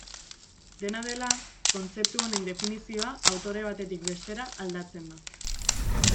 Dena dela, kontzeptu honen definizioa autore batetik bestera aldatzen da.